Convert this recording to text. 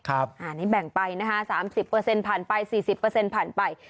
อันนี้แบ่งไปนะคะ๓๐ผ่านไป๔๐ผ่านไป